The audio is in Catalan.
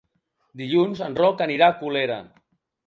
Dilluns en Roc anirà a Colera.